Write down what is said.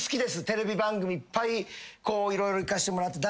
テレビ番組いっぱい色々いかしてもらって。